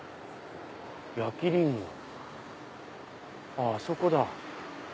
あそこだ。